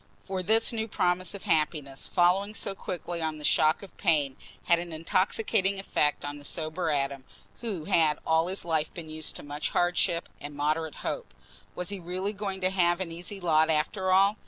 For this new promise of happiness following so quickly on the shock of pain had an intoxicating effect on the sober Adam, who had all his life been used to much hardship and moderate hope. Was he really going to have an easy lot after all?